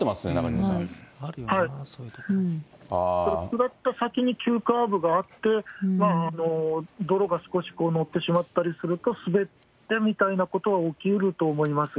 下った先に急カーブがあって、泥が少し載ってしまったりすると、滑ってみたいなことは起きうると思います。